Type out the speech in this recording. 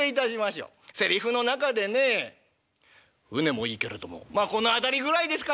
セリフの中でね『舟もいいけれども』まあこの辺りぐらいですかな。